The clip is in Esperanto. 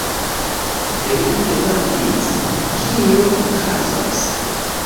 Li demandis: "Kio okazos?